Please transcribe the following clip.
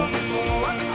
kamu gak bisa bertahan